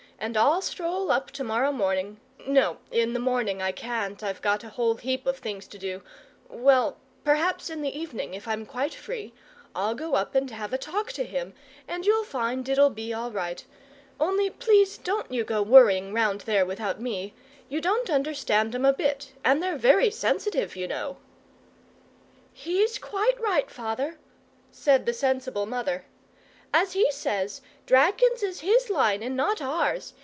And I'll stroll up to morrow morning no, in the morning I can't, I've got a whole heap of things to do well, perhaps in the evening, if I'm quite free, I'll go up and have a talk to him, and you'll find it'll be all right. Only, please, don't you go worrying round there without me. You don't understand 'em a bit, and they're very sensitive, you know!" "He's quite right, father," said the sensible mother. "As he says, dragons is his line and not ours.